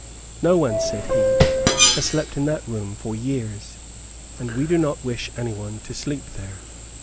"No one," said he, "has slept in that room for years, and we do not wish any one to sleep there."